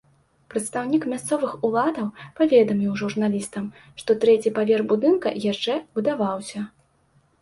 Прадстаўнік мясцовых уладаў паведаміў журналістам, што трэці паверх будынка яшчэ будаваўся.